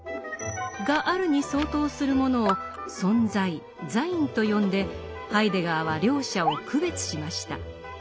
「がある」に相当するものを「存在ザイン」と呼んでハイデガーは両者を区別しました。